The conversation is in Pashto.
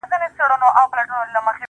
وجود مې د یو چا د مټو ټینګه کړۍ غواړي